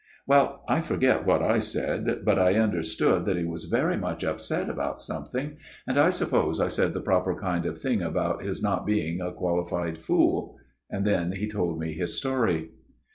" Well ; I forget what I said : but I understood MR. PERCIVAL'S TALE 275 that he was very much upset about something ; and I suppose I said the proper kind of thing about his not being a qualified fool. "Then he told me his story."